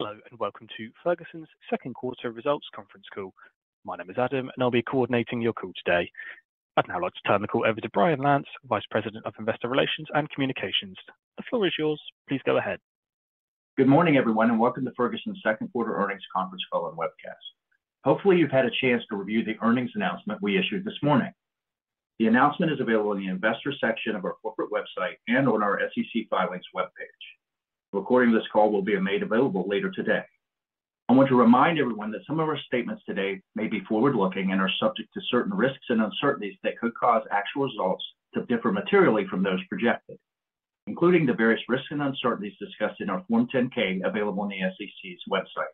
Hello, and welcome to Ferguson's second quarter results conference call. My name is Adam, and I'll be coordinating your call today. I'd now like to turn the call over to Brian Lantz, Vice President of Investor Relations and Communications. The floor is yours. Please go ahead. Good morning, everyone, and welcome to Ferguson's second quarter earnings conference call and webcast. Hopefully, you've had a chance to review the earnings announcement we issued this morning. The announcement is available in the investor section of our corporate website and on our SEC filings webpage. A recording of this call will be made available later today. I want to remind everyone that some of our statements today may be forward-looking and are subject to certain risks and uncertainties that could cause actual results to differ materially from those projected, including the various risks and uncertainties discussed in our Form 10-K, available on the SEC's website.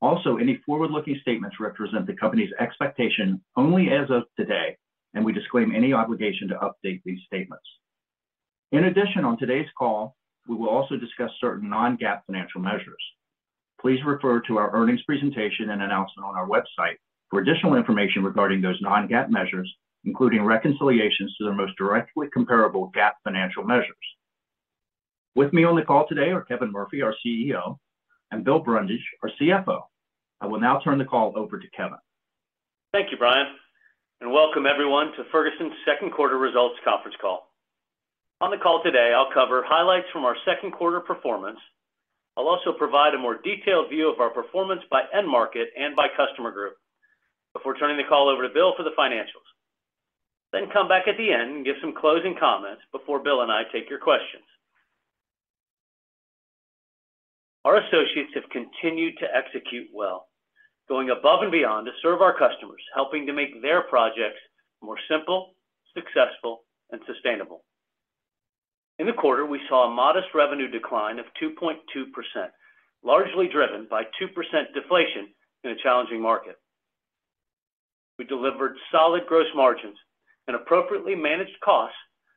Also, any forward-looking statements represent the company's expectation only as of today, and we disclaim any obligation to update these statements. In addition, on today's call, we will also discuss certain non-GAAP financial measures. Please refer to our earnings presentation and announcement on our website for additional information regarding those non-GAAP measures, including reconciliations to the most directly comparable GAAP financial measures. With me on the call today are Kevin Murphy, our CEO, and Bill Brundage, our CFO. I will now turn the call over to Kevin. Thank you, Brian, and welcome everyone to Ferguson's second quarter results conference call. On the call today, I'll cover highlights from our second quarter performance. I'll also provide a more detailed view of our performance by end market and by customer group before turning the call over to Bill for the financials. Then come back at the end and give some closing comments before Bill and I take your questions. Our associates have continued to execute well, going above and beyond to serve our customers, helping to make their projects more simple, successful, and sustainable. In the quarter, we saw a modest revenue decline of 2.2%, largely driven by 2% deflation in a challenging market. We delivered solid gross margins and appropriately managed costs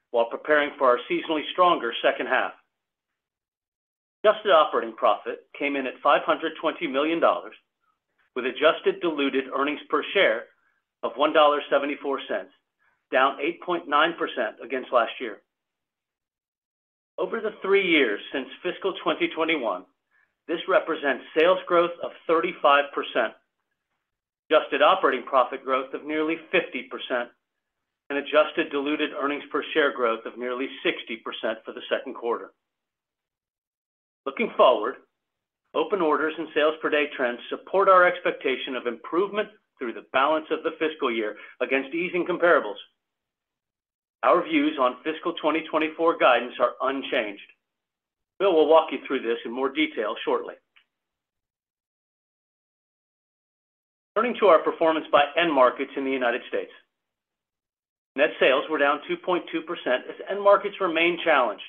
while preparing for our seasonally stronger second half. Adjusted operating profit came in at $520 million, with adjusted diluted earnings per share of $1.74, down 8.9% against last year. Over the three years since fiscal 2021, this represents sales growth of 35%, adjusted operating profit growth of nearly 50%, and adjusted diluted earnings per share growth of nearly 60% for the second quarter. Looking forward, open orders and sales per day trends support our expectation of improvement through the balance of the fiscal year against easing comparables. Our views on fiscal 2024 guidance are unchanged. Bill will walk you through this in more detail shortly. Turning to our performance by end markets in the United States. Net sales were down 2.2% as end markets remained challenged.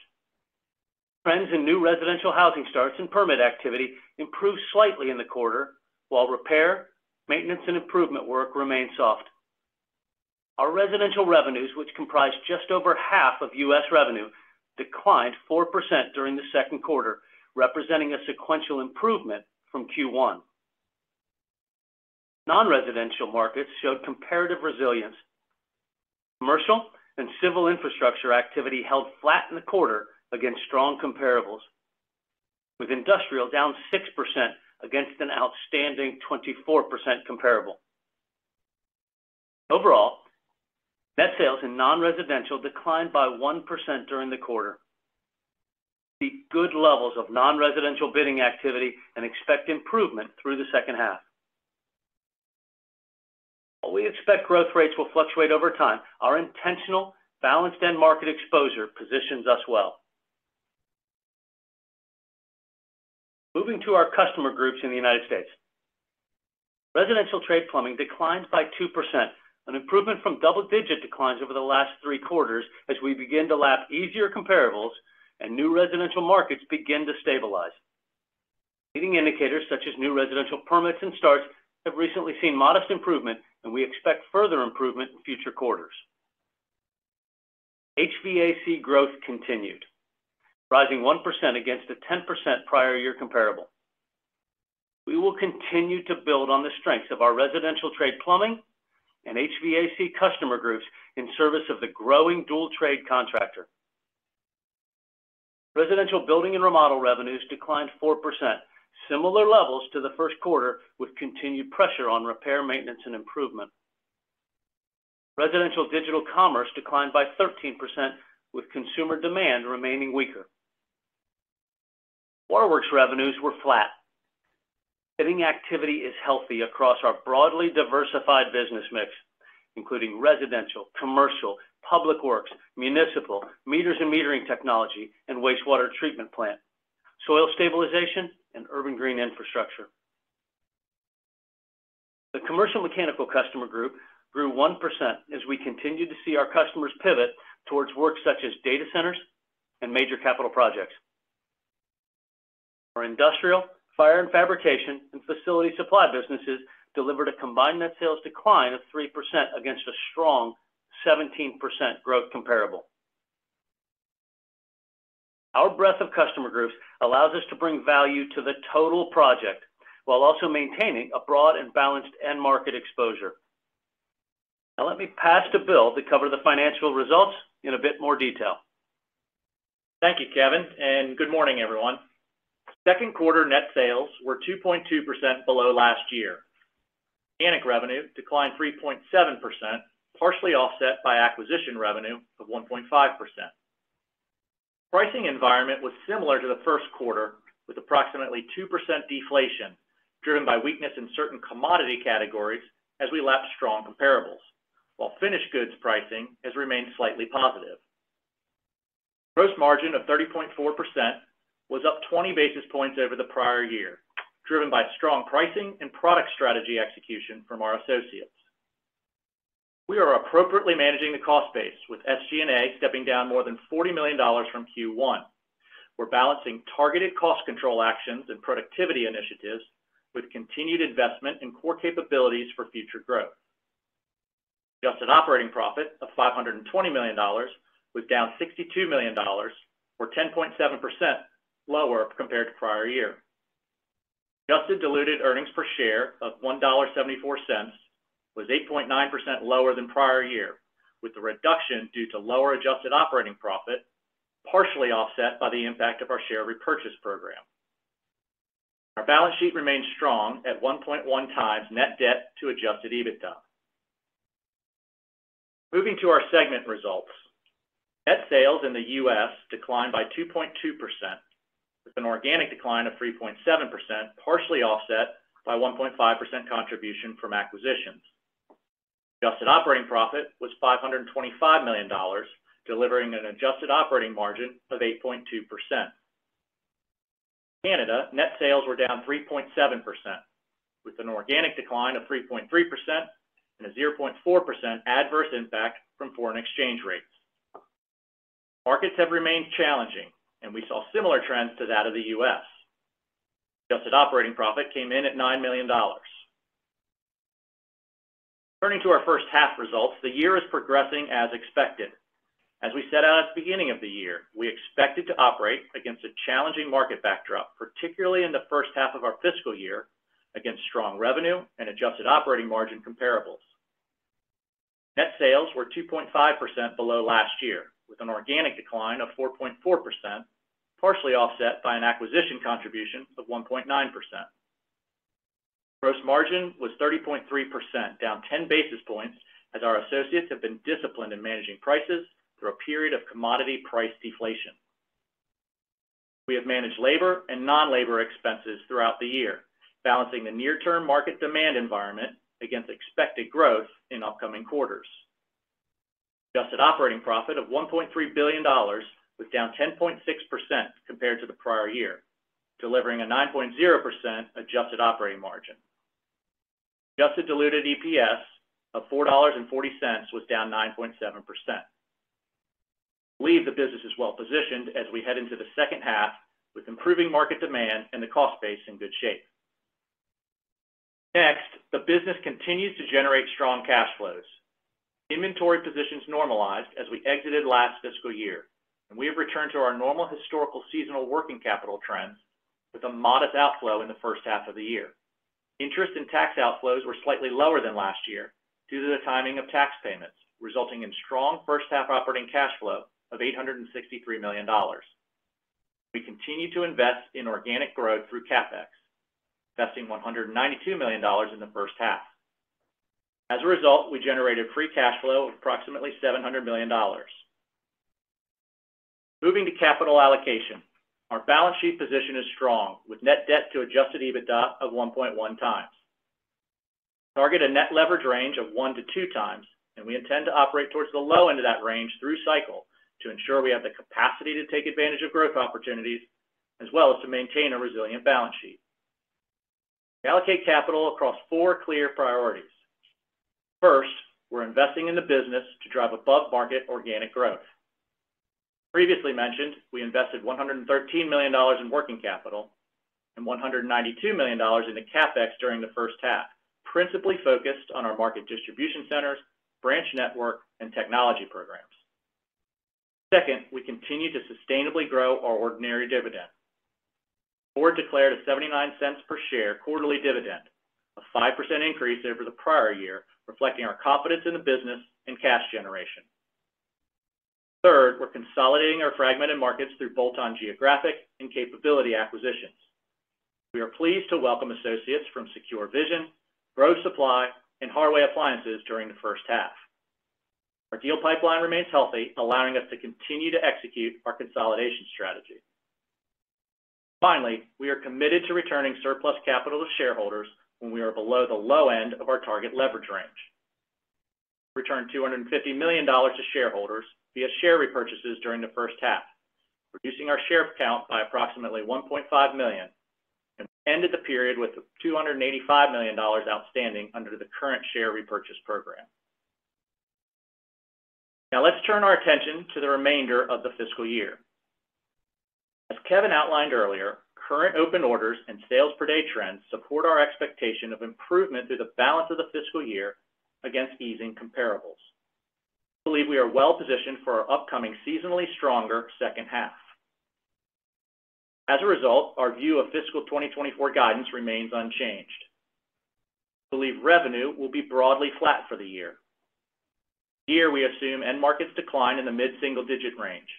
Trends in new residential housing starts and permit activity improved slightly in the quarter, while repair, maintenance, and improvement work remained soft. Our residential revenues, which comprise just over half of U.S. revenue, declined 4% during the second quarter, representing a sequential improvement from Q1. Non-residential markets showed comparative resilience. Commercial and civil infrastructure activity held flat in the quarter against strong comparables, with industrial down 6% against an outstanding 24% comparable. Overall, net sales in non-residential declined by 1% during the quarter. See good levels of non-residential bidding activity and expect improvement through the second half. While we expect growth rates will fluctuate over time, our intentional, balanced end market exposure positions us well. Moving to our customer groups in the United States. Residential trade plumbing declined by 2%, an improvement from double-digit declines over the last three quarters as we begin to lap easier comparables and new residential markets begin to stabilize. Leading indicators such as new residential permits and starts have recently seen modest improvement, and we expect further improvement in future quarters. HVAC growth continued, rising 1% against a 10% prior year comparable. We will continue to build on the strengths of our residential trade plumbing and HVAC customer groups in service of the growing dual-trade contractor. Residential building and remodel revenues declined 4%, similar levels to the first quarter, with continued pressure on repair, maintenance, and improvement. Residential digital commerce declined by 13%, with consumer demand remaining weaker. Waterworks revenues were flat. Bidding activity is healthy across our broadly diversified business mix, including residential, commercial, public works, municipal, meters and metering technology, and wastewater treatment plant, soil stabilization, and urban green infrastructure. The commercial mechanical customer group grew 1% as we continued to see our customers pivot towards work such as data centers and major capital projects. Our industrial, fire and fabrication, and facility supply businesses delivered a combined net sales decline of 3% against a strong 17% growth comparable. Our breadth of customer groups allows us to bring value to the total project while also maintaining a broad and balanced end-market exposure. Now let me pass to Bill to cover the financial results in a bit more detail. Thank you, Kevin, and good morning, everyone. Second quarter net sales were 2.2% below last year. Organic revenue declined 3.7%, partially offset by acquisition revenue of 1.5%. Pricing environment was similar to the first quarter, with approximately 2% deflation, driven by weakness in certain commodity categories as we lap strong comparables, while finished goods pricing has remained slightly positive. Gross margin of 30.4% was up 20 basis points over the prior year, driven by strong pricing and product strategy execution from our associates. We are appropriately managing the cost base, with SG&A stepping down more than $40 million from Q1. We're balancing targeted cost control actions and productivity initiatives with continued investment in core capabilities for future growth. Adjusted operating profit of $520 million was down $62 million or 10.7% lower compared to prior year. Adjusted diluted earnings per share of $1.74 was 8.9% lower than prior year, with the reduction due to lower adjusted operating profit, partially offset by the impact of our share repurchase program. Our balance sheet remains strong at 1.1x net debt to adjusted EBITDA. Moving to our segment results. Net sales in the U.S. declined by 2.2%, with an organic decline of 3.7%, partially offset by 1.5% contribution from acquisitions. Adjusted operating profit was $525 million, delivering an adjusted operating margin of 8.2%. In Canada, net sales were down 3.7%, with an organic decline of 3.3% and a 0.4% adverse impact from foreign exchange rates. Markets have remained challenging, and we saw similar trends to that of the U.S. Adjusted operating profit came in at $9 million. Turning to our first half results, the year is progressing as expected. As we set out at the beginning of the year, we expected to operate against a challenging market backdrop, particularly in the first half of our fiscal year, against strong revenue and adjusted operating margin comparables. Net sales were 2.5% below last year, with an organic decline of 4.4%, partially offset by an acquisition contribution of 1.9%. Gross margin was 30.3%, down 10 basis points, as our associates have been disciplined in managing prices through a period of commodity price deflation. We have managed labor and non-labor expenses throughout the year, balancing the near-term market demand environment against expected growth in upcoming quarters. Adjusted operating profit of $1.3 billion was down 10.6% compared to the prior year, delivering a 9.0% adjusted operating margin. Adjusted diluted EPS of $4.40 was down 9.7%. We believe the business is well positioned as we head into the second half, with improving market demand and the cost base in good shape. Next, the business continues to generate strong cash flows. Inventory positions normalized as we exited last fiscal year, and we have returned to our normal historical seasonal working capital trends with a modest outflow in the first half of the year. Interest and tax outflows were slightly lower than last year due to the timing of tax payments, resulting in strong first half operating cash flow of $863 million. We continue to invest in organic growth through CapEx, investing $192 million in the first half. As a result, we generated free cash flow of approximately $700 million. Moving to capital allocation. Our balance sheet position is strong, with net debt to adjusted EBITDA of 1.1x. We target a net leverage range of 1-2 times, and we intend to operate towards the low end of that range through cycle to ensure we have the capacity to take advantage of growth opportunities, as well as to maintain a resilient balance sheet. We allocate capital across four clear priorities. First, we're investing in the business to drive above-market organic growth. Previously mentioned, we invested $113 million in working capital and $192 million into CapEx during the first half, principally focused on our market distribution centers, branch network, and technology programs. Second, we continue to sustainably grow our ordinary dividend. The board declared a $0.79 per share quarterly dividend, a 5% increase over the prior year, reflecting our confidence in the business and cash generation. Third, we're consolidating our fragmented markets through bolt-on geographic and capability acquisitions. We are pleased to welcome associates from SecureVision, Grove Supply, and Harway Appliances during the first half. Our deal pipeline remains healthy, allowing us to continue to execute our consolidation strategy. Finally, we are committed to returning surplus capital to shareholders when we are below the low end of our target leverage range. We returned $250 million to shareholders via share repurchases during the first half, reducing our share count by approximately $1.5 million, and ended the period with $285 million outstanding under the current share repurchase program. Now, let's turn our attention to the remainder of the fiscal year. As Kevin outlined earlier, current open orders and sales per day trends support our expectation of improvement through the balance of the fiscal year against easing comparables. We believe we are well positioned for our upcoming seasonally stronger second half. As a result, our view of fiscal 2024 guidance remains unchanged. We believe revenue will be broadly flat for the year. Here, we assume end markets decline in the mid-single-digit range.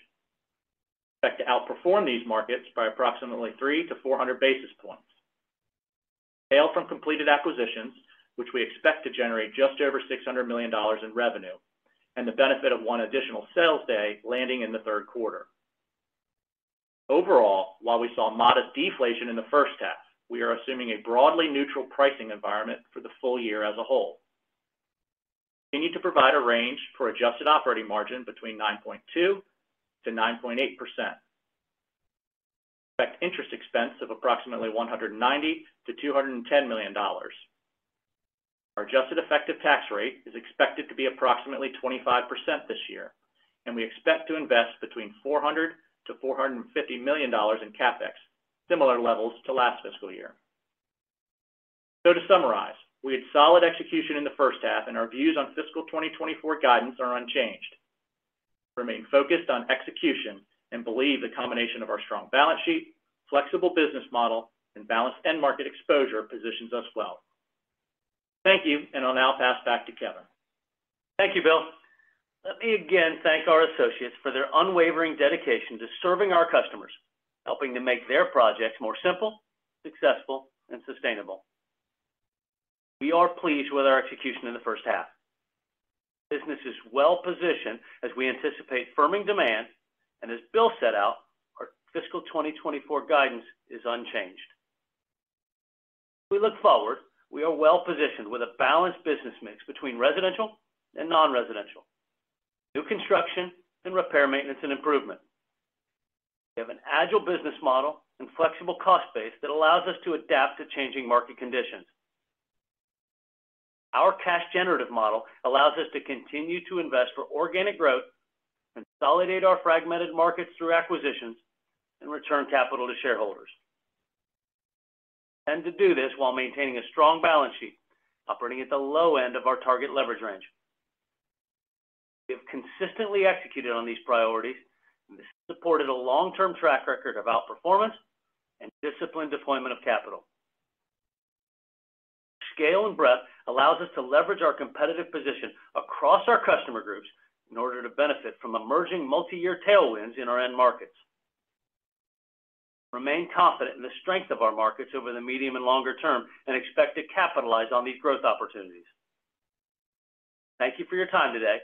Expect to outperform these markets by approximately 300-400 basis points. Sales from completed acquisitions, which we expect to generate just over $600 million in revenue, and the benefit of one additional sales day landing in the third quarter. Overall, while we saw modest deflation in the first half, we are assuming a broadly neutral pricing environment for the full year as a whole. We need to provide a range for adjusted operating margin between 9.2%-9.8%. Expect interest expense of approximately $190 million-$210 million. Our adjusted effective tax rate is expected to be approximately 25% this year, and we expect to invest between $400 million-$450 million in CapEx, similar levels to last fiscal year. So to summarize, we had solid execution in the first half, and our views on fiscal 2024 guidance are unchanged. Remain focused on execution and believe the combination of our strong balance sheet, flexible business model, and balanced end market exposure positions us well. Thank you, and I'll now pass back to Kevin. Thank you, Bill. Let me again thank our associates for their unwavering dedication to serving our customers, helping to make their projects more simple, successful, and sustainable. We are pleased with our execution in the first half. Business is well positioned as we anticipate firming demand, and as Bill set out, our fiscal 2024 guidance is unchanged. We look forward, we are well-positioned with a balanced business mix between residential and non-residential, new construction, and repair, maintenance, and improvement. We have an agile business model and flexible cost base that allows us to adapt to changing market conditions. Our cash generative model allows us to continue to invest for organic growth, consolidate our fragmented markets through acquisitions, and return capital to shareholders. To do this while maintaining a strong balance sheet, operating at the low end of our target leverage range. We have consistently executed on these priorities, and this supported a long-term track record of outperformance and disciplined deployment of capital. Scale and breadth allows us to leverage our competitive position across our customer groups in order to benefit from emerging multi-year tailwinds in our end markets. Remain confident in the strength of our markets over the medium and longer term, and expect to capitalize on these growth opportunities. Thank you for your time today.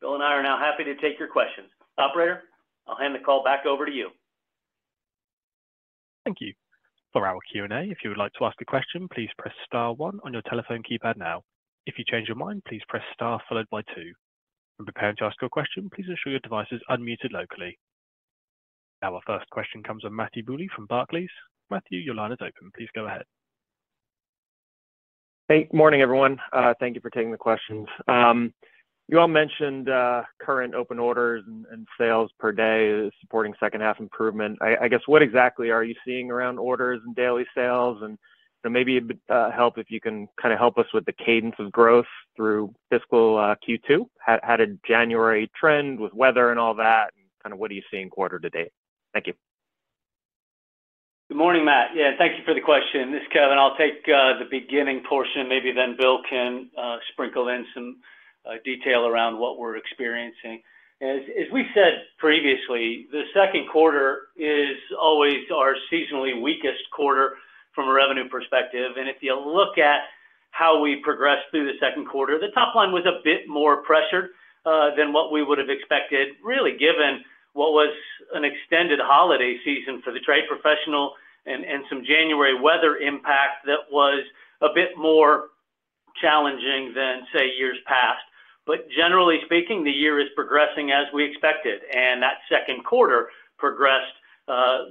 Bill and I are now happy to take your questions. Operator, I'll hand the call back over to you. Thank you. For our Q&A, if you would like to ask a question, please press star one on your telephone keypad now. If you change your mind, please press star followed by two. When preparing to ask your question, please ensure your device is unmuted locally. Now, our first question comes from Matthew Bouley from Barclays. Matthew, your line is open. Please go ahead. Hey, morning, everyone. Thank you for taking the questions. You all mentioned current open orders and sales per day supporting second half improvement. I guess, what exactly are you seeing around orders and daily sales? And, you know, maybe it would help if you can kinda help us with the cadence of growth through fiscal Q2. How did January trend with weather and all that, and kind of what are you seeing quarter to date? Thank you. Good morning, Matt. Yeah, thank you for the question. This is Kevin. I'll take the beginning portion, maybe then Bill can sprinkle in some detail around what we're experiencing. As we said previously, the second quarter is always our seasonally weakest quarter from a revenue perspective. And if you look at how we progressed through the second quarter, the top line was a bit more pressured than what we would have expected, really, given what was an extended holiday season for the trade professional and some January weather impact that was a bit more challenging than, say, years past. But generally speaking, the year is progressing as we expected, and that second quarter progressed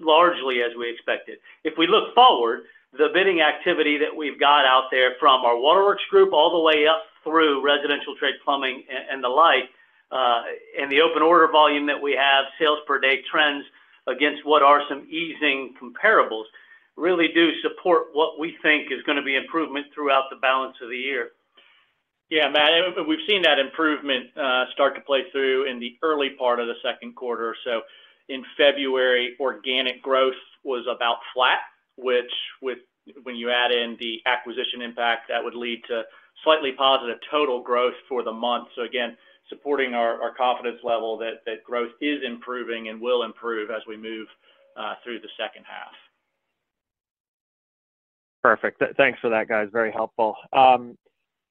largely as we expected. If we look forward, the bidding activity that we've got out there from our waterworks group all the way up through residential trade, plumbing, and the like, and the open order volume that we have, sales per day trends against what are some easing comparables, really do support what we think is gonna be improvement throughout the balance of the year. Yeah, Matt, and we've seen that improvement start to play through in the early part of the second quarter. So in February, organic growth was about flat, which, when you add in the acquisition impact, that would lead to slightly positive total growth for the month. So again, supporting our confidence level that growth is improving and will improve as we move through the second half. Perfect. Thanks for that, guys. Very helpful.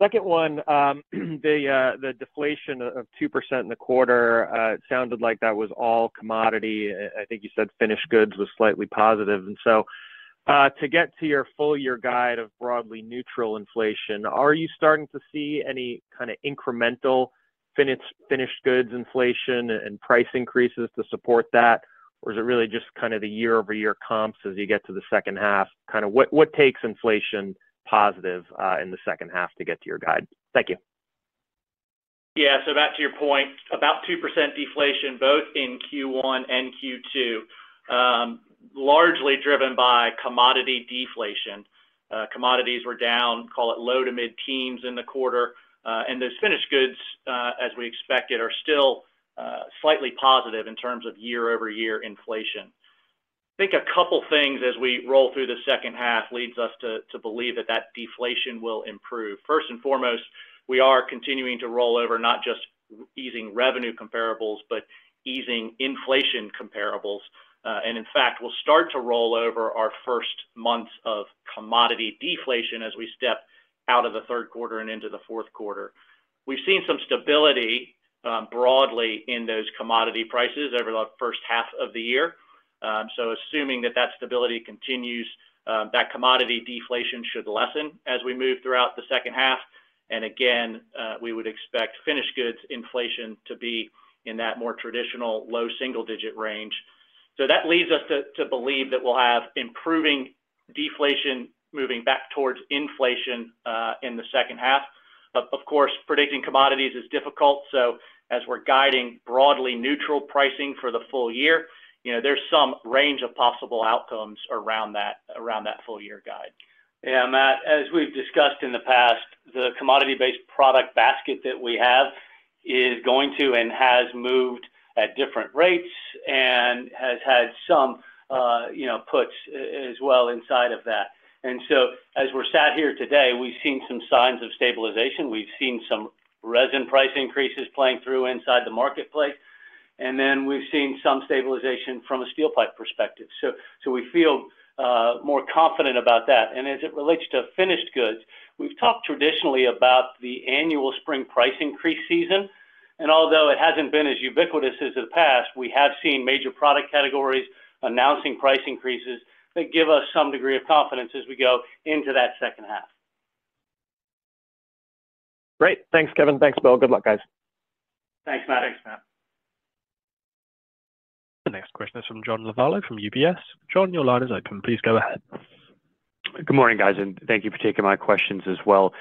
Second one, the deflation of 2% in the quarter sounded like that was all commodity. I think you said finished goods was slightly positive. And so, to get to your full year guide of broadly neutral inflation, are you starting to see any kind of incremental finished goods inflation and price increases to support that? Or is it really just kind of the year-over-year comps as you get to the second half? Kind of what takes inflation positive in the second half to get to your guide? Thank you. Yeah, so back to your point, about 2% deflation, both in Q1 and Q2, largely driven by commodity deflation. Commodities were down, call it low-to-mid-teens in the quarter. And those finished goods, as we expected, are still, slightly positive in terms of year-over-year inflation. I think a couple things as we roll through the second half leads us to believe that that deflation will improve. First and foremost, we are continuing to roll over, not just easing revenue comparables, but easing inflation comparables. And in fact, we'll start to roll over our first months of commodity deflation as we step out of the third quarter and into the fourth quarter. We've seen some stability, broadly in those commodity prices over the first half of the year. So assuming that that stability continues, that commodity deflation should lessen as we move throughout the second half. And again, we would expect finished goods inflation to be in that more traditional low single-digit range. So that leads us to believe that we'll have improving deflation moving back towards inflation in the second half. But of course, predicting commodities is difficult, so as we're guiding broadly neutral pricing for the full year, you know, there's some range of possible outcomes around that around that full year guide. Yeah, Matt, as we've discussed in the past, the commodity-based product basket that we have is going to and has moved at different rates and has had some, you know, puts and as well inside of that. And so, as we're sat here today, we've seen some signs of stabilization. We've seen some resin price increases playing through inside the marketplace, and then we've seen some stabilization from a steel pipe perspective. So we feel more confident about that. And as it relates to finished goods, we've talked traditionally about the annual spring price increase season, and although it hasn't been as ubiquitous as the past, we have seen major product categories announcing price increases that give us some degree of confidence as we go into that second half. Great. Thanks, Kevin. Thanks, Bill. Good luck, guys. Thanks, Matt. Thanks, Matt. The next question is from John Lovallo from UBS. John, your line is open. Please go ahead. Good morning, guys, and thank you for taking my questions as well.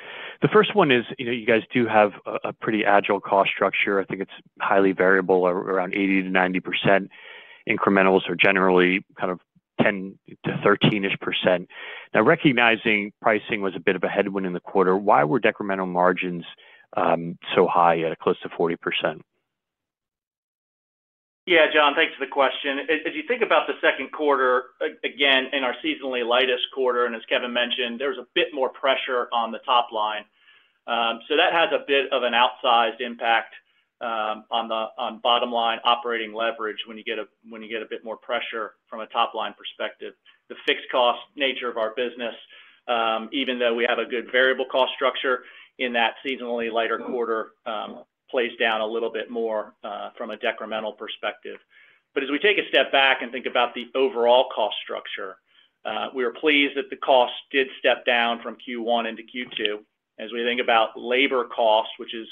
The first one is, you know, you guys do have a pretty agile cost structure. I think it's highly variable, around 80%-90%. Incrementals are generally kind of 10%-13-ish%. Now, recognizing pricing was a bit of a headwind in the quarter, why were decremental margins so high at close to 40%? Yeah, John, thanks for the question. If you think about the second quarter, again, in our seasonally lightest quarter, and as Kevin mentioned, there was a bit more pressure on the top line. So that has a bit of an outsized impact on the bottom line operating leverage when you get a bit more pressure from a top-line perspective. The fixed cost nature of our business, even though we have a good variable cost structure in that seasonally lighter quarter, plays down a little bit more from a decremental perspective. But as we take a step back and think about the overall cost structure, we are pleased that the cost did step down from Q1 into Q2. As we think about labor costs, which is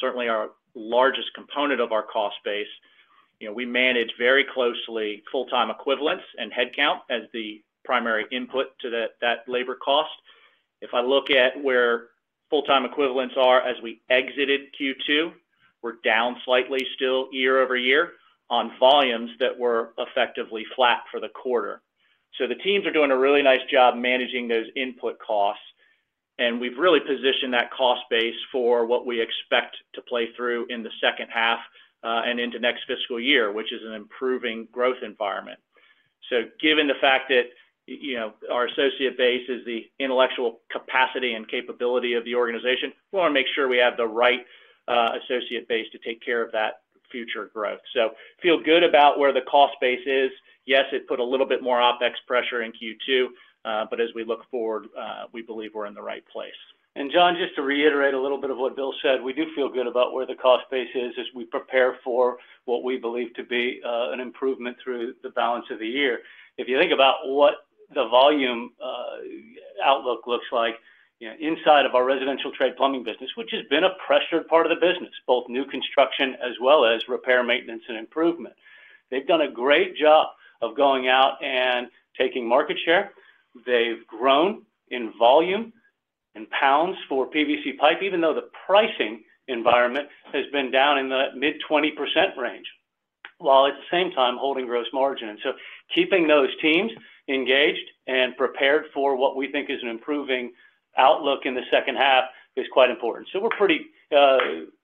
certainly our largest component of our cost base, you know, we manage very closely full-time equivalents and headcount as the primary input to that labor cost. If I look at where full-time equivalents are, as we exited Q2, we're down slightly still year-over-year on volumes that were effectively flat for the quarter. So the teams are doing a really nice job managing those input costs, and we've really positioned that cost base for what we expect to play through in the second half and into next fiscal year, which is an improving growth environment. So given the fact that, you know, our associate base is the intellectual capacity and capability of the organization, we wanna make sure we have the right associate base to take care of that future growth. So feel good about where the cost base is. Yes, it put a little bit more OpEx pressure in Q2, but as we look forward, we believe we're in the right place. John, just to reiterate a little bit of what Bill said, we do feel good about where the cost base is as we prepare for what we believe to be an improvement through the balance of the year. If you think about what the volume outlook looks like, you know, inside of our residential trade plumbing business, which has been a pressured part of the business, both new construction as well as repair, maintenance, and improvement. They've done a great job of going out and taking market share. They've grown in volume and pounds for PVC pipe, even though the pricing environment has been down in the mid-20% range, while at the same time holding gross margin. And so keeping those teams engaged and prepared for what we think is an improving outlook in the second half is quite important. So we're pretty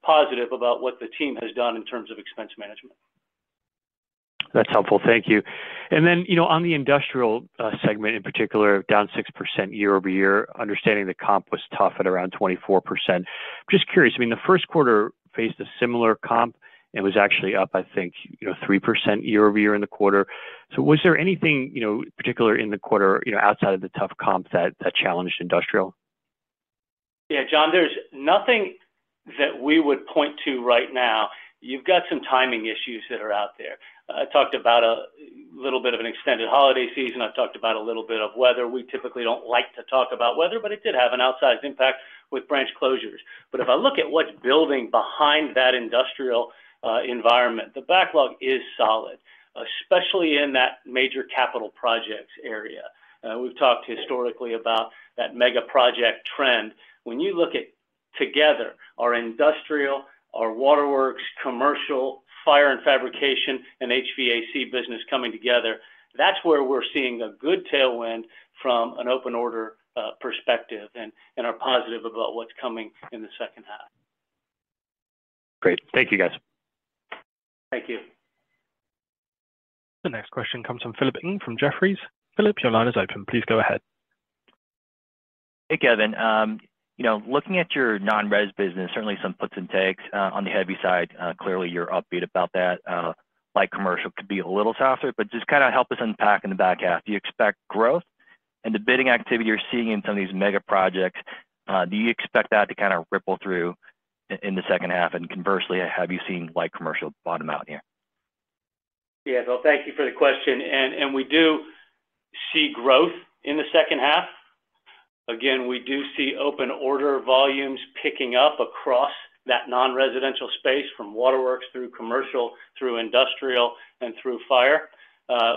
positive about what the team has done in terms of expense management. That's helpful. Thank you. And then, you know, on the industrial segment, in particular, down 6% year-over-year, understanding the comp was tough at around 24%. Just curious, I mean, the first quarter faced a similar comp and was actually up, I think, you know, 3% year-over-year in the quarter. So was there anything, you know, particular in the quarter, you know, outside of the tough comps that challenged industrial? Yeah, John, there's nothing that we would point to right now. You've got some timing issues that are out there. I talked about a little bit of an extended holiday season. I talked about a little bit of weather. We typically don't like to talk about weather, but it did have an outsized impact with branch closures. But if I look at what's building behind that industrial environment, the backlog is solid, especially in that major capital projects area. We've talked historically about that mega project trend. When you look at together, our industrial, our waterworks, commercial, fire and fabrication, and HVAC business coming together, that's where we're seeing a good tailwind from an open order perspective and are positive about what's coming in the second half. Great. Thank you, guys. Thank you. The next question comes from Philip Ng from Jefferies. Philip, your line is open. Please go ahead. Hey, Kevin. You know, looking at your non-res business, certainly some puts and takes on the heavy side. Clearly, you're upbeat about that. Light commercial could be a little softer, but just kinda help us unpack in the back half. Do you expect growth? And the bidding activity you're seeing in some of these mega projects, do you expect that to kinda ripple through in the second half? And conversely, have you seen light commercial bottom out here? Yeah. Well, thank you for the question. And we do see growth in the second half. Again, we do see open order volumes picking up across that non-residential space, from waterworks through commercial, through industrial, and through fire.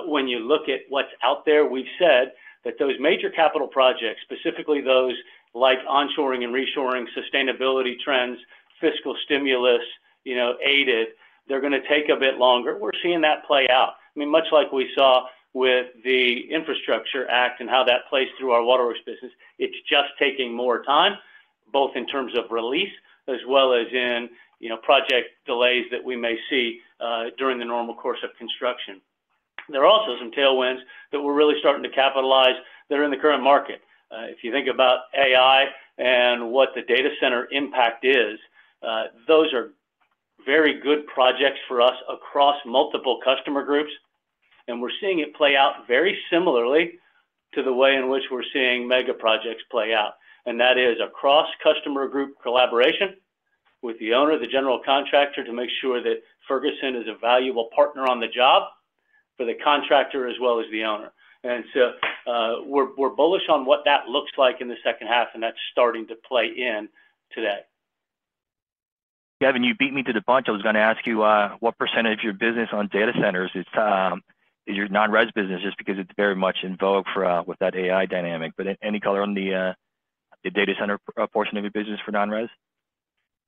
When you look at what's out there, we've said that those major capital projects, specifically those like on-shoring and reshoring, sustainability trends, fiscal stimulus, you know, aided, they're gonna take a bit longer. We're seeing that play out. I mean, much like we saw with the Infrastructure Act and how that plays through our waterworks business, it's just taking more time, both in terms of release as well as in, you know, project delays that we may see during the normal course of construction. There are also some tailwinds that we're really starting to capitalize that are in the current market. If you think about AI and what the data center impact is, those are very good projects for us across multiple customer groups, and we're seeing it play out very similarly to the way in which we're seeing mega projects play out. And that is across customer group collaboration with the owner, the general contractor, to make sure that Ferguson is a valuable partner on the job for the contractor as well as the owner. And so, we're bullish on what that looks like in the second half, and that's starting to play in today. Kevin, you beat me to the punch. I was gonna ask you what percentage of your business on data centers is your non-res business, just because it's very much in vogue for with that AI dynamic. But any color on the the data center portion of your business for non-res?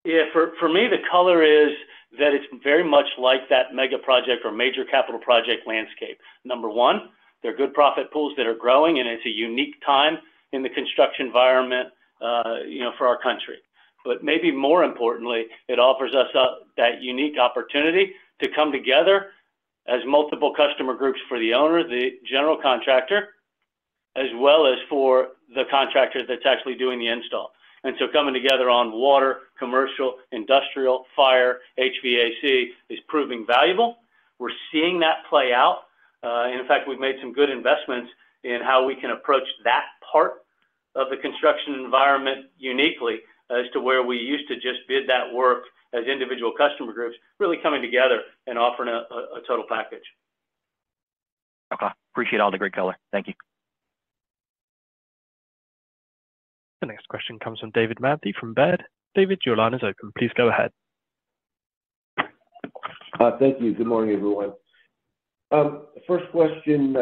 Yeah. For me, the color is that it's very much like that mega project or major capital project landscape. Number one, they're good profit pools that are growing, and it's a unique time in the construction environment, you know, for our country. But maybe more importantly, it offers us up that unique opportunity to come together as multiple customer groups for the owner, the general contractor, as well as for the contractor that's actually doing the install. And so coming together on water, commercial, industrial, fire, HVAC is proving valuable. We're seeing that play out. In fact, we've made some good investments in how we can approach that part of the construction environment uniquely as to where we used to just bid that work as individual customer groups, really coming together and offering a total package. Okay. Appreciate all the great color. Thank you. The next question comes from David Mantey from Baird. David, your line is open. Please go ahead. Thank you. Good morning, everyone. First question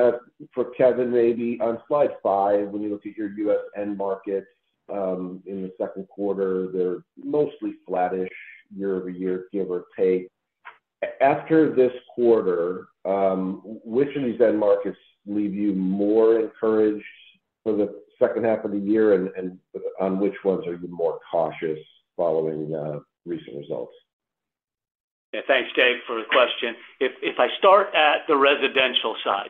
for Kevin, maybe. On slide five, when you look at your U.S. end markets, in the second quarter, they're mostly flattish year-over-year, give or take. After this quarter, which of these end markets leave you more encouraged for the second half of the year, and on which ones are you more cautious following recent results? Yeah. Thanks, Dave, for the question. If I start at the residential side,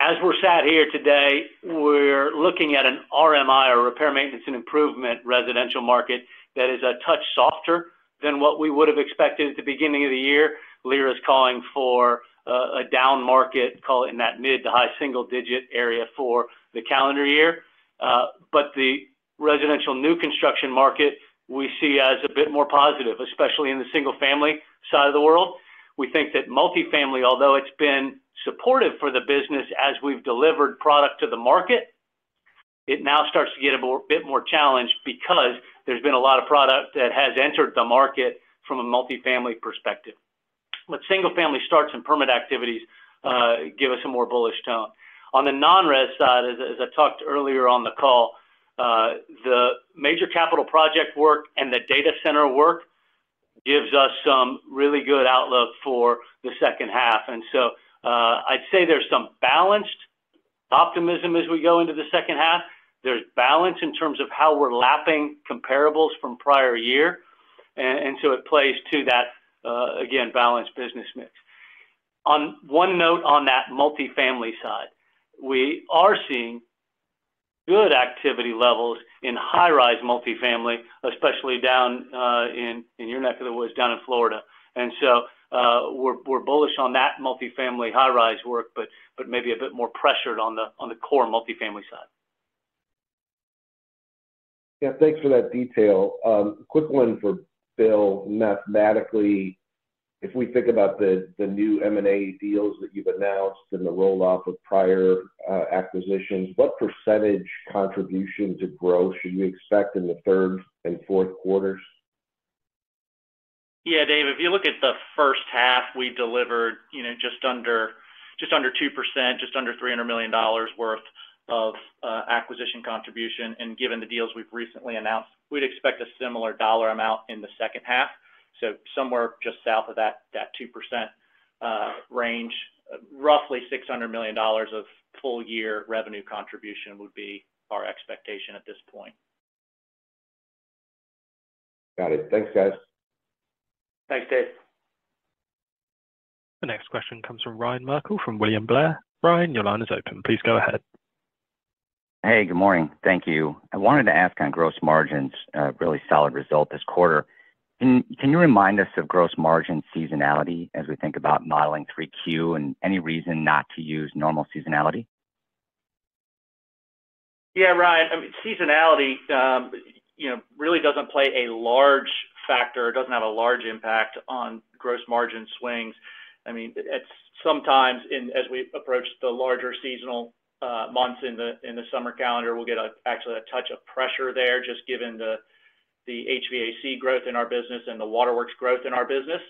as we're sat here today, we're looking at an RMI or repair, maintenance, and improvement residential market that is a touch softer than what we would have expected at the beginning of the year. LIRA is calling for a down market, call it in that mid to high single digit area for the calendar year. But the residential new construction market we see as a bit more positive, especially in the single-family side of the world. We think that multifamily, although it's been supportive for the business as we've delivered product to the market, it now starts to get a bit more challenged because there's been a lot of product that has entered the market from a multifamily perspective. But single-family starts and permit activities give us a more bullish tone. On the non-res side, as I talked earlier on the call, the major capital project work and the data center work gives us some really good outlook for the second half. And so, I'd say there's some balanced optimism as we go into the second half. There's balance in terms of how we're lapping comparables from prior year, and so it plays to that, again, balanced business mix. On one note on that multifamily side, we are seeing good activity levels in high-rise multifamily, especially down in your neck of the woods, down in Florida. And so, we're bullish on that multifamily high-rise work, but maybe a bit more pressured on the core multifamily side. Yeah. Thanks for that detail. Quick one for Bill. Mathematically, if we think about the new M&A deals that you've announced and the roll-off of prior acquisitions, what percentage contribution to growth should we expect in the third and fourth quarters? Yeah, Dave, if you look at the first half, we delivered, you know, just under, just under 2%, just under $300 million worth of acquisition contribution. And given the deals we've recently announced, we'd expect a similar dollar amount in the second half. So somewhere just south of that 2% range, roughly $600 million of full year revenue contribution would be our expectation at this point. Got it. Thanks, guys. Thanks, Dave. The next question comes from Ryan Merkel, from William Blair. Ryan, your line is open. Please go ahead. Hey, good morning. Thank you. I wanted to ask on gross margins, really solid result this quarter. Can you remind us of gross margin seasonality as we think about modeling 3Q and any reason not to use normal seasonality? Yeah, Ryan, I mean, seasonality, you know, really doesn't play a large factor or doesn't have a large impact on gross margin swings. I mean, it's sometimes as we approach the larger seasonal months in the summer calendar, we'll get a, actually a touch of pressure there, just given the HVAC growth in our business and the waterworks growth in our business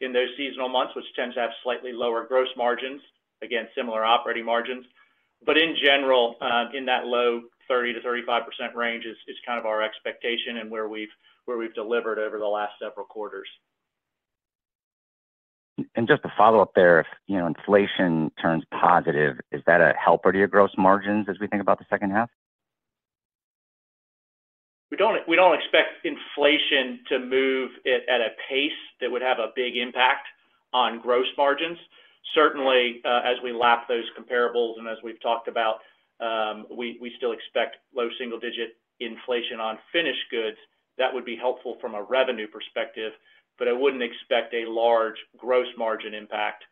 in those seasonal months, which tends to have slightly lower gross margins. Again, similar operating margins. But in general, in that low 30%-35% range is kind of our expectation and where we've, where we've delivered over the last several quarters. Just to follow up there, if, you know, inflation turns positive, is that a helper to your gross margins as we think about the second half? We don't expect inflation to move at a pace that would have a big impact on gross margins. Certainly, as we lap those comparables and as we've talked about, we still expect low single digit inflation on finished goods. That would be helpful from a revenue perspective, but I wouldn't expect a large gross margin impact,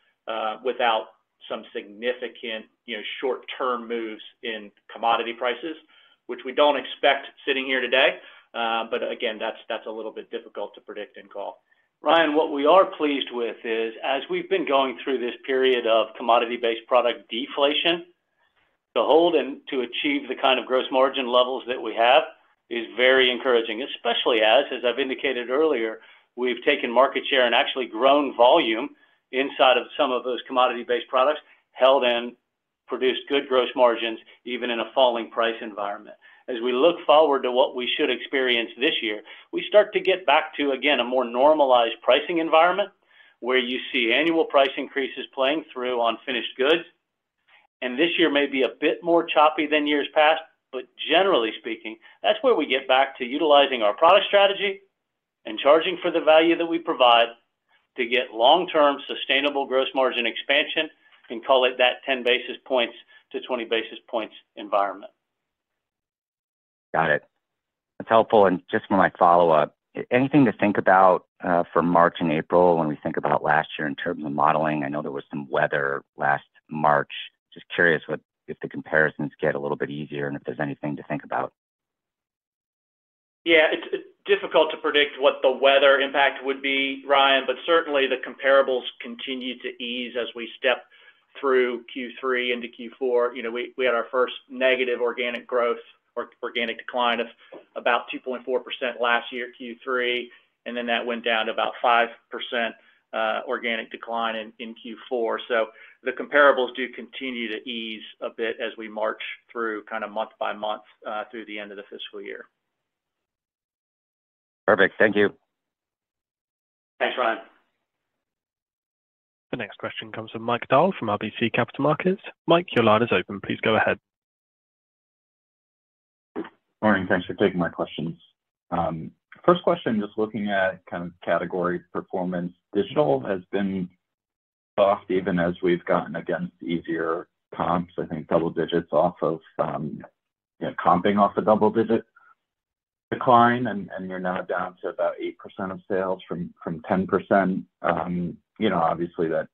without some significant, you know, short-term moves in commodity prices, which we don't expect sitting here today. But again, that's a little bit difficult to predict and call. Ryan, what we are pleased with is, as we've been going through this period of commodity-based product deflation, to hold and to achieve the kind of gross margin levels that we have is very encouraging. Especially as, as I've indicated earlier, we've taken market share and actually grown volume inside of some of those commodity-based products, held in, produced good gross margins, even in a falling price environment. As we look forward to what we should experience this year, we start to get back to, again, a more normalized pricing environment, where you see annual price increases playing through on finished goods. This year may be a bit more choppy than years past, but generally speaking, that's where we get back to utilizing our product strategy and charging for the value that we provide to get long-term sustainable gross margin expansion, and call it that 10-20 basis points environment. Got it. That's helpful. And just for my follow-up, anything to think about for March and April when we think about last year in terms of modeling? I know there was some weather last March. Just curious what if the comparisons get a little bit easier, and if there's anything to think about. Yeah, it's difficult to predict what the weather impact would be, Ryan, but certainly the comparables continue to ease as we step through Q3 into Q4. You know, we had our first negative organic growth or organic decline of about 2.4% last year, Q3, and then that went down to about 5%, organic decline in Q4. So the comparables do continue to ease a bit as we march through kinda month-by-month through the end of the fiscal year. Perfect. Thank you. Thanks, Ryan. The next question comes from Mike Dahl, from RBC Capital Markets. Mike, your line is open. Please go ahead. Morning. Thanks for taking my questions. First question, just looking at kind of category performance. Digital has been soft, even as we've gotten against easier comps, I think double digits off of, you know, comping off a double-digit decline, and you're now down to about 8% of sales from 10%. You know, obviously, that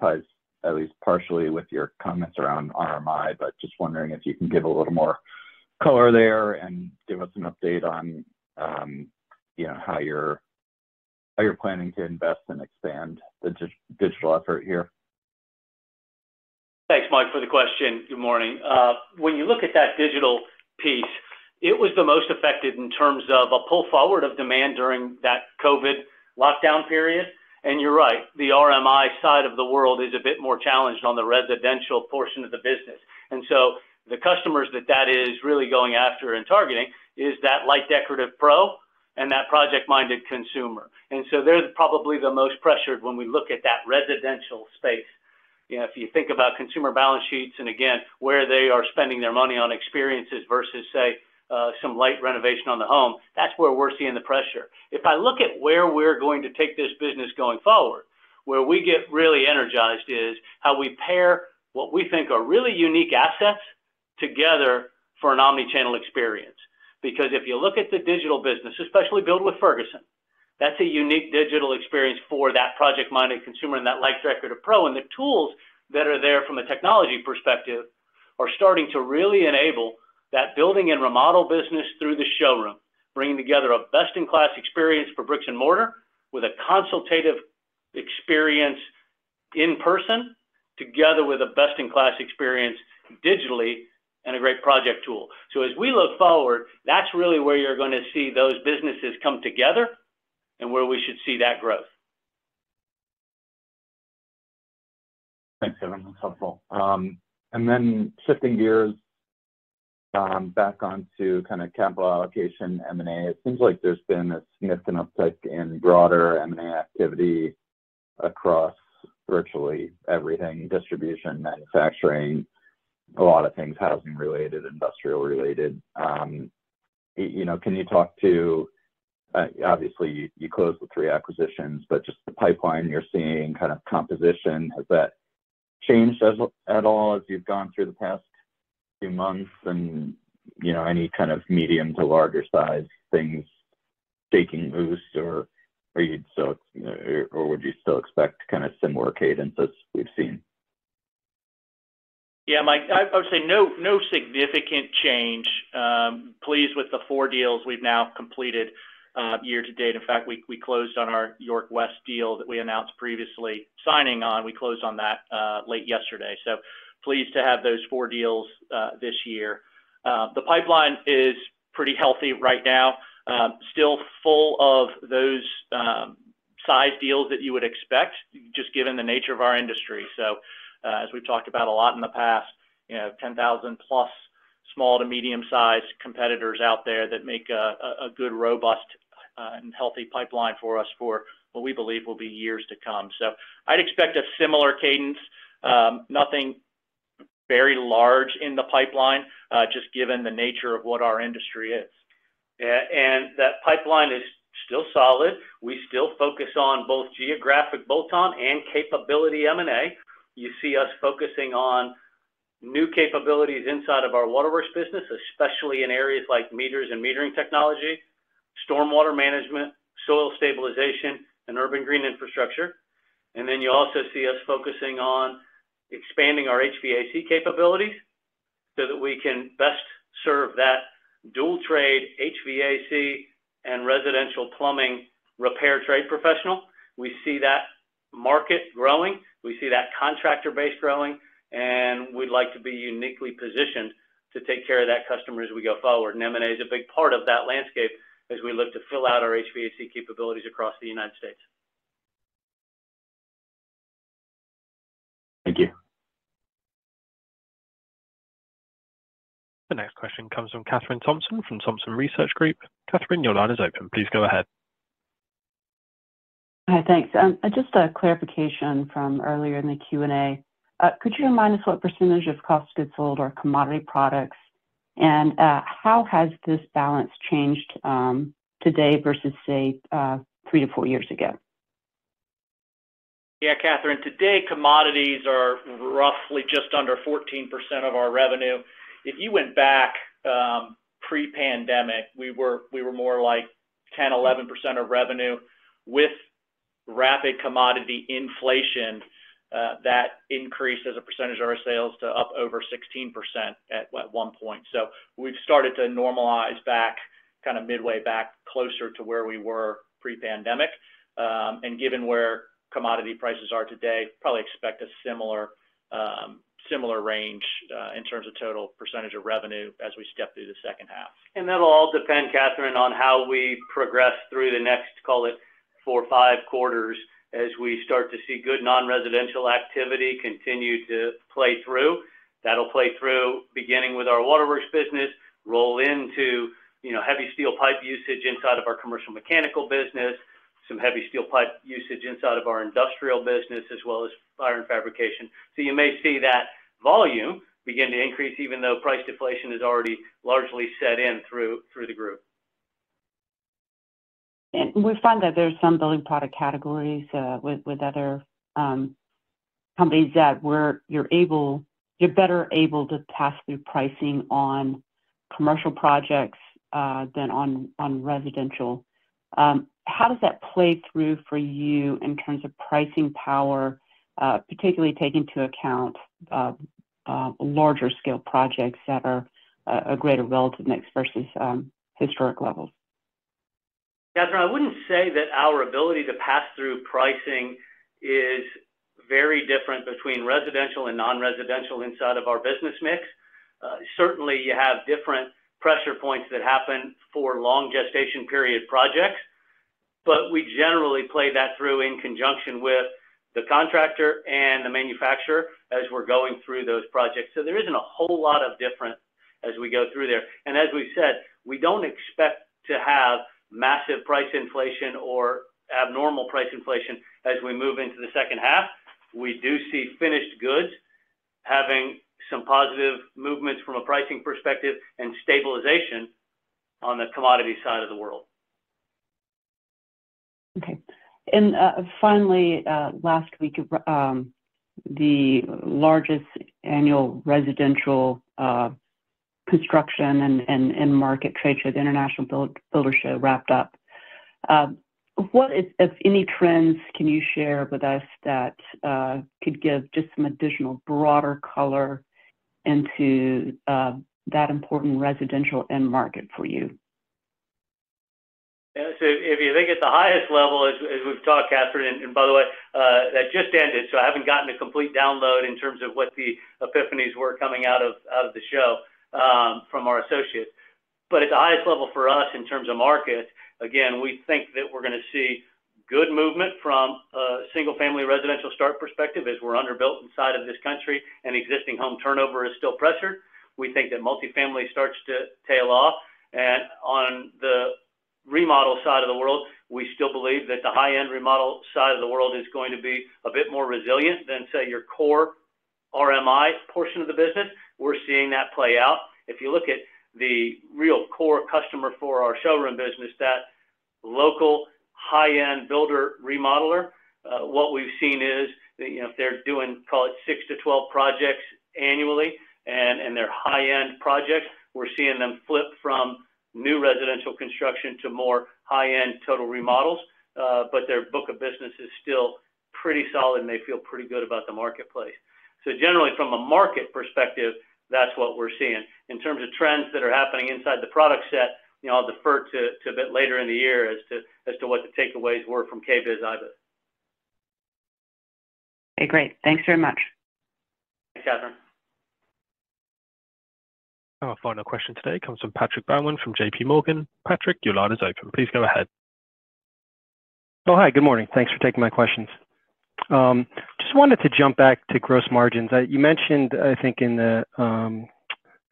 ties at least partially with your comments around RMI, but just wondering if you can give a little more color there and give us an update on, you know, how you're planning to invest and expand the digital effort here. Thanks, Mike, for the question. Good morning. When you look at that digital piece, it was the most affected in terms of a pull forward of demand during that COVID lockdown period. And you're right, the RMI side of the world is a bit more challenged on the residential portion of the business. And so the customers that that is really going after and targeting is that light decorative pro and that project-minded consumer. And so they're probably the most pressured when we look at that residential space. You know, if you think about consumer balance sheets, and again, where they are spending their money on experiences versus, say, some light renovation on the home, that's where we're seeing the pressure. If I look at where we're going to take this business going forward, where we get really energized is how we pair what we think are really unique assets together for an omni-channel experience. Because if you look at the digital business, especially Build with Ferguson, that's a unique digital experience for that project-minded consumer and that light decorative pro. And the tools that are there from a technology perspective are starting to really enable that building and remodel business through the showroom, bringing together a best-in-class experience for bricks and mortar, with a consultative experience in person, together with a best-in-class experience digitally and a great project tool. So as we look forward, that's really where you're gonna see those businesses come together and where we should see that growth. Thanks, Kevin. That's helpful. And then shifting gears, back onto kind of capital allocation, M&A, it seems like there's been a significant uptick in broader M&A activity across virtually everything: distribution, manufacturing, a lot of things, housing-related, industrial-related. You know, can you talk to, obviously, you closed the three acquisitions, but just the pipeline you're seeing, kind of composition, has that changed at all as you've gone through the past few months? And, you know, any kind of medium to larger size things taking a boost or are you still, or would you still expect kind of similar cadences we've seen? Yeah, Mike, I would say no significant change. Pleased with the four deals we've now completed year to date. In fact, we closed on our Yorkwest deal that we announced previously. Signing on, we closed on that late yesterday. So pleased to have those four deals this year. The pipeline is pretty healthy right now. Still full of those sized deals that you would expect, just given the nature of our industry. So, as we've talked about a lot in the past, you know, 10,000+ small to medium-sized competitors out there that make a good, robust, and healthy pipeline for us for what we believe will be years to come. So I'd expect a similar cadence. Nothing very large in the pipeline, just given the nature of what our industry is. And that pipeline is still solid. We still focus on both geographic bolt-on and capability M&A. You see us focusing on new capabilities inside of our Waterworks business, especially in areas like meters and metering technology, stormwater management, soil stabilization, and urban green infrastructure. And then you also see us focusing on expanding our HVAC capabilities so that we can best serve that dual trade, HVAC and residential plumbing repair trade professional. We see that market growing, we see that contractor base growing, and we'd like to be uniquely positioned to take care of that customer as we go forward. And M&A is a big part of that landscape as we look to fill out our HVAC capabilities across the United States. Thank you. The next question comes from Kathryn Thompson from Thompson Research Group. Kathryn, your line is open. Please go ahead. Hi, thanks. Just a clarification from earlier in the Q&A. Could you remind us what percentage of cost of goods sold are commodity products? And, how has this balance changed, today versus, say, three to four years ago? Yeah, Kathryn, today, commodities are roughly just under 14% of our revenue. If you went back, pre-pandemic, we were, we were more like 10%, 11% of revenue. With rapid commodity inflation, that increased as a percentage of our sales to up over 16% at one point. So we've started to normalize back, kind of midway back, closer to where we were pre-pandemic. And given where commodity prices are today, probably expect a similar, similar range, in terms of total percentage of revenue as we step through the second half. And that'll all depend, Kathryn, on how we progress through the next, call it, four or five quarters, as we start to see good non-residential activity continue to play through. That'll play through beginning with our Waterworks business, roll into, you know, heavy steel pipe usage inside of our commercial mechanical business, some heavy steel pipe usage inside of our industrial business, as well as iron fabrication. So you may see that volume begin to increase, even though price deflation is already largely set in through the group. And we find that there's some building product categories with other companies that where you're able—you're better able to pass through pricing on commercial projects than on residential. How does that play through for you in terms of pricing power, particularly take into account larger scale projects that are a greater relative mix versus historic levels? Kathryn, I wouldn't say that our ability to pass through pricing is very different between residential and non-residential inside of our business mix. Certainly, you have different pressure points that happen for long gestation period projects, but we generally play that through in conjunction with the contractor and the manufacturer as we're going through those projects. So there isn't a whole lot of difference as we go through there. As we've said, we don't expect to have massive price inflation or abnormal price inflation as we move into the second half. We do see finished goods having some positive movements from a pricing perspective and stabilization on the commodity side of the world. Okay. And, finally, last week, the largest annual residential construction and end market trade show, the International Builders' Show, wrapped up. What, if any, trends can you share with us that could give just some additional broader color into that important residential end market for you? .Yeah, so if you think at the highest level, as we've talked, Kathryn, and by the way, that just ended, so I haven't gotten a complete download in terms of what the epiphanies were coming out of the show from our associates. But at the highest level for us, in terms of market, again, we think that we're gonna see good movement from a single-family residential start perspective, as we're underbuilt inside of this country, and existing home turnover is still pressured. We think that multifamily starts to tail off. And on the remodel side of the world, we still believe that the high-end remodel side of the world is going to be a bit more resilient than, say, your core RMI portion of the business. We're seeing that play out. If you look at the real core customer for our showroom business, that local high-end builder remodeler, what we've seen is, you know, if they're doing, call it six-12 projects annually, and they're high-end projects, we're seeing them flip from new residential construction to more high-end total remodels. But their book of business is still pretty solid, and they feel pretty good about the marketplace. So generally, from a market perspective, that's what we're seeing. In terms of trends that are happening inside the product set, you know, I'll defer to a bit later in the year as to what the takeaways were from KBIS IBS. Okay, great. Thanks very much. Thanks, Catherine. Our final question today comes from Patrick Baumann from J.P. Morgan. Patrick, your line is open. Please go ahead. Oh, hi, good morning. Thanks for taking my questions. Just wanted to jump back to gross margins. You mentioned, I think, in the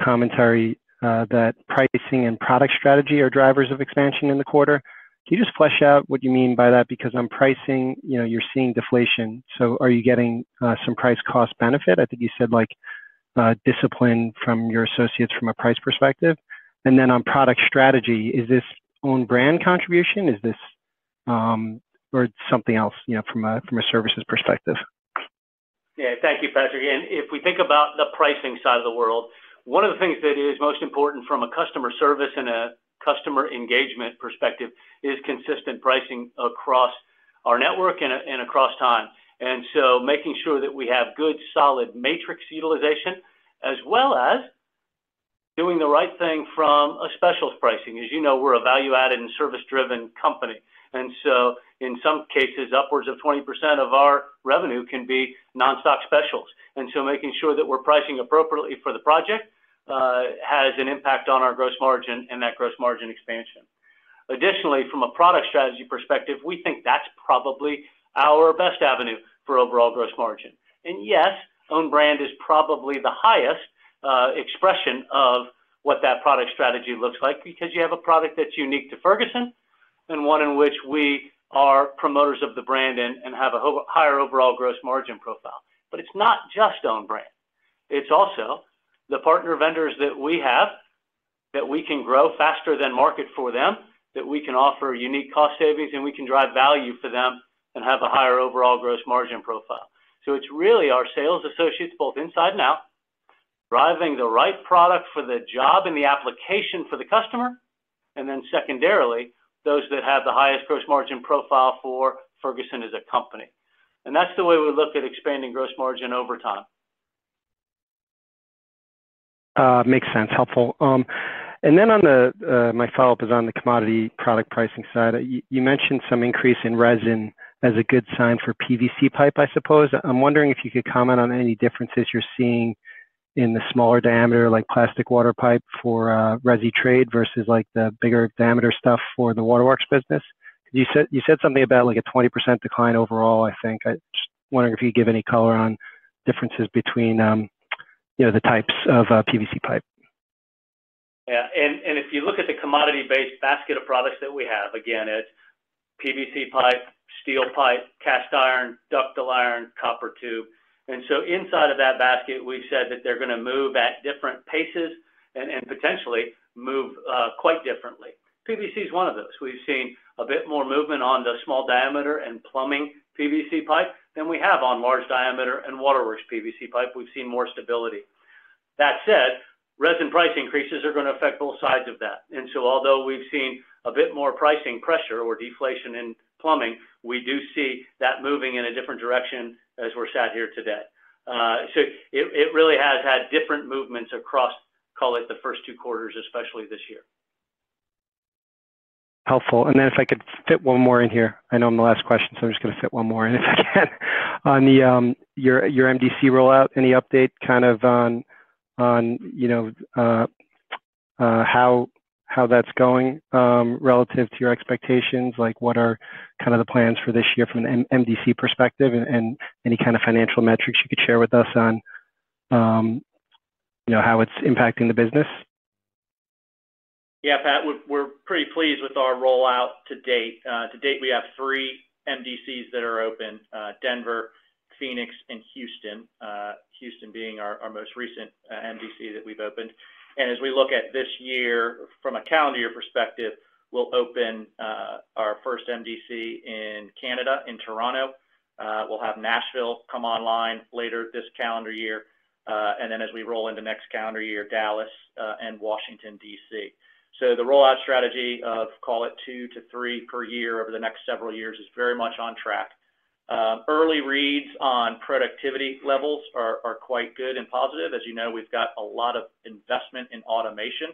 commentary, that pricing and product strategy are drivers of expansion in the quarter. Can you just flesh out what you mean by that? Because on pricing, you know, you're seeing deflation, so are you getting some price cost benefit? I think you said, like, discipline from your associates from a price perspective. And then on product strategy, is this own brand contribution, is this, or something else, you know, from a services perspective? Yeah. Thank you, Patrick. And if we think about the pricing side of the world, one of the things that is most important from a customer service and a customer engagement perspective is consistent pricing across our network and across time. And so making sure that we have good, solid matrix utilization, as well as doing the right thing from a specials pricing. As you know, we're a value-added and service-driven company, and so in some cases, upwards of 20% of our revenue can be non-stock specials. And so making sure that we're pricing appropriately for the project has an impact on our gross margin and that gross margin expansion. Additionally, from a product strategy perspective, we think that's probably our best avenue for overall gross margin. And yes, own brand is probably the highest expression of what that product strategy looks like, because you have a product that's unique to Ferguson and one in which we are promoters of the brand and, and have a higher overall gross margin profile. But it's not just own brand. It's also the partner vendors that we have, that we can grow faster than market for them, that we can offer unique cost savings, and we can drive value for them and have a higher overall gross margin profile. So it's really our sales associates, both inside and out, driving the right product for the job and the application for the customer, and then secondarily, those that have the highest gross margin profile for Ferguson as a company. And that's the way we look at expanding gross margin over time. Makes sense. Helpful. And then on the, my follow-up is on the commodity product pricing side. You, you mentioned some increase in resin as a good sign for PVC pipe, I suppose. I'm wondering if you could comment on any differences you're seeing in the smaller diameter, like plastic water pipe for, resi trade versus, like, the bigger diameter stuff for the waterworks business. You said, you said something about, like, a 20% decline overall, I think. I'm just wondering if you could give any color on differences between, you know, the types of, PVC pipe. Yeah. And if you look at the commodity-based basket of products that we have, again, it's PVC pipe, steel pipe, cast iron, ductile iron, copper tube. And so inside of that basket, we've said that they're gonna move at different paces and potentially move quite differently. PVC is one of those. We've seen a bit more movement on the small diameter and plumbing PVC pipe than we have on large diameter and waterworks PVC pipe. We've seen more stability. That said, resin price increases are gonna affect both sides of that. And so although we've seen a bit more pricing pressure or deflation in plumbing, we do see that moving in a different direction as we're sat here today. So it really has had different movements across, call it, the first two quarters, especially this year. Helpful. And then if I could fit one more in here. I know I'm the last question, so I'm just gonna fit one more in if I can. On your MDC rollout, any update kind of on, on, you know, how that's going relative to your expectations? Like, what are kind of the plans for this year from an MDC perspective and any kind of financial metrics you could share with us on, you know, how it's impacting the business? Yeah, Pat, we're pretty pleased with our rollout to date. To date, we have three MDCs that are open, Denver, Phoenix, and Houston. Houston being our most recent MDC that we've opened. And as we look at this year, from a calendar year perspective, we'll open our first MDC in Canada, in Toronto. We'll have Nashville come online later this calendar year, and then as we roll into next calendar year, Dallas and Washington, D.C. So the rollout strategy of, call it, two to three per year over the next several years, is very much on track. Early reads on productivity levels are quite good and positive. As you know, we've got a lot of investment in automation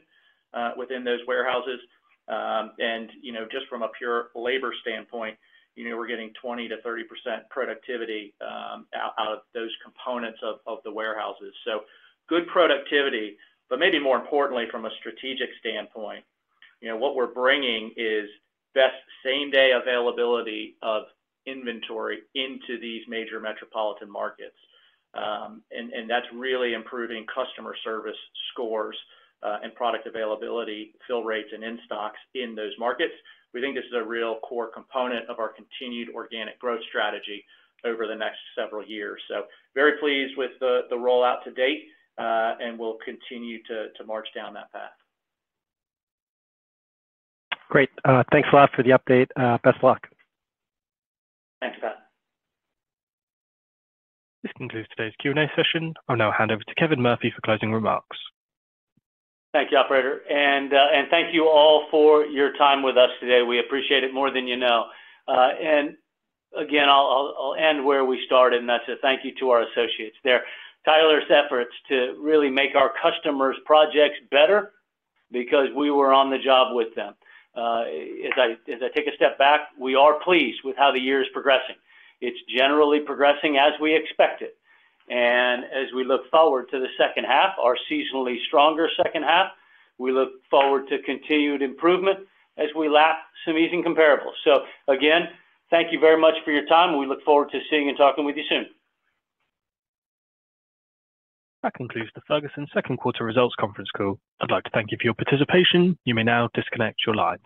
within those warehouses. You know, just from a pure labor standpoint, you know, we're getting 20%-30% productivity out of those components of the warehouses. Good productivity, but maybe more importantly, from a strategic standpoint, you know, what we're bringing is best same-day availability of inventory into these major metropolitan markets. That's really improving customer service scores and product availability, fill rates, and in-stocks in those markets. We think this is a real core component of our continued organic growth strategy over the next several years. So very pleased with the rollout to date, and we'll continue to march down that path. Great. Thanks a lot for the update. Best of luck. Thanks, Pat. This concludes today's Q&A session. I'll now hand over to Kevin Murphy for closing remarks. Thank you, operator. Thank you all for your time with us today. We appreciate it more than you know. Again, I'll end where we started, and that's a thank you to our associates. Their tireless efforts to really make our customers' projects better because we were on the job with them. As I take a step back, we are pleased with how the year is progressing. It's generally progressing as we expected. As we look forward to the second half, our seasonally stronger second half, we look forward to continued improvement as we lap some easing comparables. Again, thank you very much for your time. We look forward to seeing and talking with you soon. That concludes the Ferguson second quarter results conference call. I'd like to thank you for your participation. You may now disconnect your lines.